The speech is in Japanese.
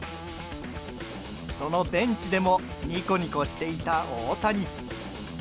そのベンチでもニコニコしていた大谷。